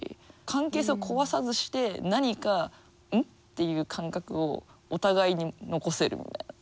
関係性を壊さずして何か「ん？」っていう感覚をお互いに残せるみたいな。